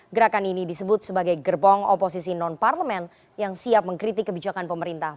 gerakan ini disebut sebagai gerbong oposisi non parlemen yang siap mengkritik kebijakan pemerintah